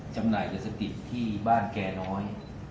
จำหน่ายยาเสพติดที่บ้านแก่น้อย